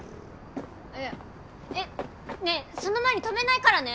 いやえっねえその前に泊めないからね。